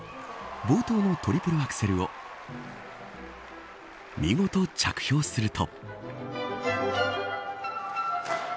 冒頭のトリプルアクセルを見事、着氷すると。